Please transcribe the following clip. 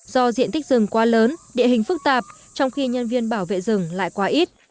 do diện tích rừng quá lớn địa hình phức tạp trong khi nhân viên bảo vệ rừng lại quá ít